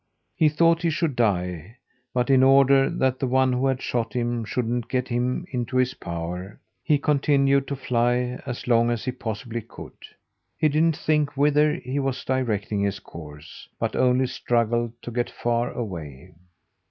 He thought he should die; but in order that the one who had shot him shouldn't get him into his power, he continued to fly as long as he possibly could. He didn't think whither he was directing his course, but only struggled to get far away.